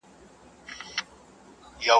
o خر په غره کي بوعلي دئ.